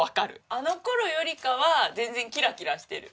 あの頃よりかは全然キラキラしてる。